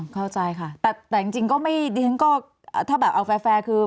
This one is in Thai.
เข้าใจค่ะแต่จริงก็ไม่ดิฉันก็ถ้าแบบเอาแฟร์คือ